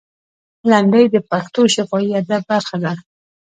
لنډۍ د پښتو شفاهي ادب برخه ده.